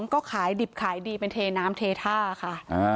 ก็ขายดิบขายดีเป็นเทน้ำเทท่าค่ะ